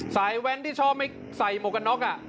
แว้นที่ชอบไม่ใส่หมวกกันน็อก